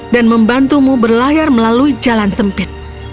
dan membantumu berlayar melalui jalan sempit